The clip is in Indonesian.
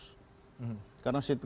kalau tidak ini akan meningkat terus